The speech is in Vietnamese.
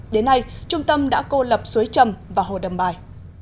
đến nay trung tâm đã cô lập suối trầm và hồ đầm bài